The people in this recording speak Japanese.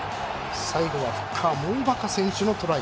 最後はフッカーのモーバカ選手のトライ。